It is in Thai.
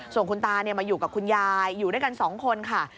ส่วนคุณตามาอยู่กับคุณยายอยู่ด้วยกัน๒คนค่ะ